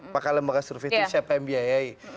maka lembaga survei itu siapa yang biayai